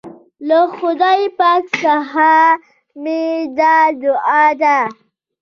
له خدای پاک څخه مي دا دعا ده